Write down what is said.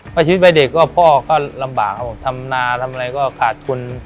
พอชีวิตไปเด็กก็พ่อก็ลำบากครับผมทำนาทำอะไรก็ขาดทุน